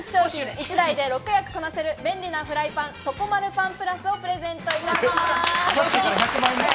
１台で６役こなせる便利なフライパン「底丸パンＰｌｕｓ」をプレゼントいたします。